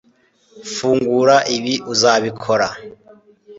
fungura ibi, uzabikora